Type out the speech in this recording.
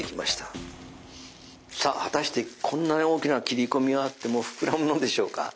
さあ果たしてこんなに大きな切込みがあってもふくらむのでしょうか。